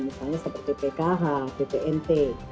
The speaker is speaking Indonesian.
misalnya seperti pkh ptnt